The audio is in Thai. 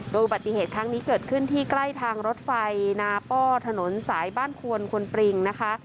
อุบัติเหตุครั้งนี้เกิดขึ้นที่ใกล้ทางรถไฟนาป้อถนนสายบ้านควนควนปริงนะคะ